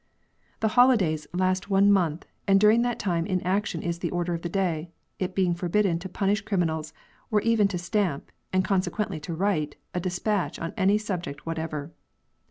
'"" The holidays last one month, and during that time inaction is the order of the day, it being forbidden to punish crimi nals, or even to stamp, and consequently to write, a despatch on any subject whatever.